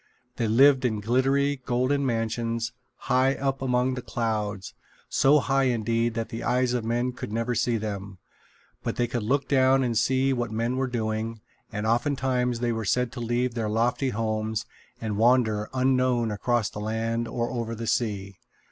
They lived in glittering, golden mansions, high up among the clouds so high indeed that the eyes of men could never see them. But they could look down and see what men were doing, and oftentimes they were said to leave their lofty homes and wander unknown across the land or over the sea.